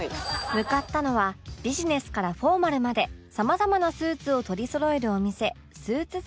向かったのはビジネスからフォーマルまでさまざまなスーツを取りそろえるお店